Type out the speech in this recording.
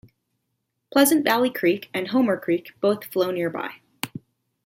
Pleasant Valley Creek and Homer Creek both flow nearby.